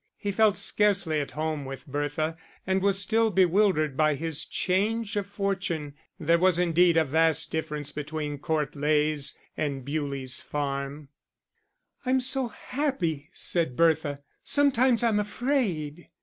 He felt scarcely at home with Bertha, and was still bewildered by his change of fortune; there was, indeed, a vast difference between Court Leys and Bewlie's Farm. "I'm so happy," said Bertha. "Sometimes I'm afraid....